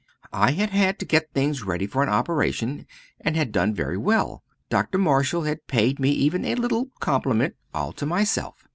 I had had to get things ready for an operation, and had done very well. Dr. Marshall had paid me even a little compliment all to myself.